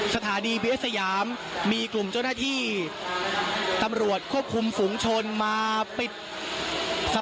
สถานีพิเศษยามมีกลุ่มเจ้าหน้าที่ตำลวดควบคุมฝุ่งชนมาปิดพวกนี้นะครับ